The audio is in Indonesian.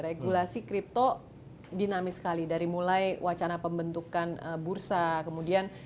regulasi kripto dinamis sekali dari mulai wacana pembentukan bursa kemudian